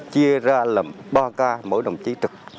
chia ra làm ba ca mỗi đồng chí trực